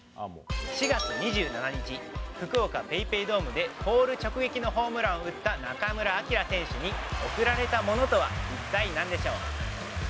４月２７日、福岡ペイペイドームで、ポール直撃のホームランを打った中村晃選手に贈られたものとは、一体なんでしょう。